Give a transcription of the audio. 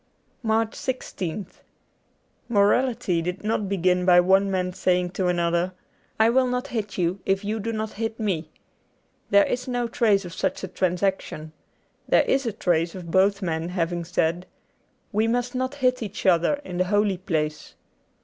^ 81 M' MARCH 1 6th ORALITY did not begin by one man saying to another, ' I will not hit you if you do not hit me '; there is no trace of such a trans action. There is a trace of both men having said, 'We must not hit each other in the holy place.'